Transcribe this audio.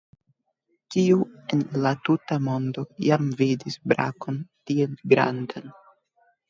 Kiu en la tuta mondo iam vidis brakon tiel grandan?